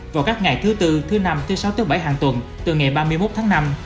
vào các ngày thứ tư thứ năm thứ sáu thứ bảy hàng tuần từ ngày ba mươi một tháng năm